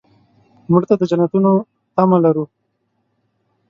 مړه ته د جنتونو تمه لرو